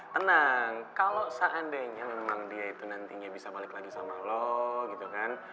tenang kalau seandainya dia itu nanti gak bisa balik lagi sama lo gitu kan